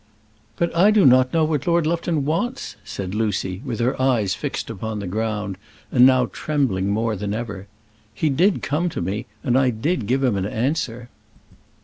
"But I do not know what Lord Lufton wants," said Lucy, with her eyes fixed upon the ground, and now trembling more than ever. "He did come to me, and I did give him an answer."